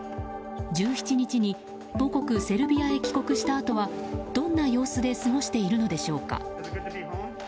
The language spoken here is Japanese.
１７日に母国セルビアへ帰国したあとはどんな様子で過ごしているのでしょうか。